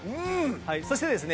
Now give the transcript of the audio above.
そしてですね